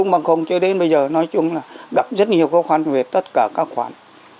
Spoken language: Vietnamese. nói chung là gặp rất nhiều khó khăn về tất cả các khoản